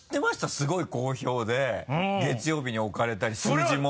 すごい好評で月曜日に置かれたり数字も。